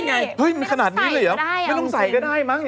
ไม่ต้องใส่ก็ได้เอาลูกคุณ